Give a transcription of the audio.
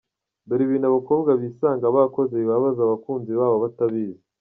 Dore ibintu abakobwa bisanga bakoze bibabaza abakunzi babo batabizi.